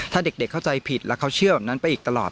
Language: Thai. ถ้าเด็กเข้าใจผิดแล้วเขาเชื่อแบบนั้นไปอีกตลอด